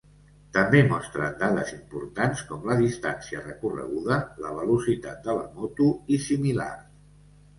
També mostren dades importants com la distància recorreguda, la velocitat de la moto i similars.